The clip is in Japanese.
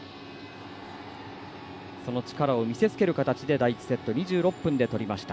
その力を見せ付ける形で第１セット２６分で取りました。